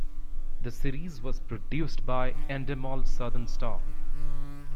The series was produced by Endemol Southern Star.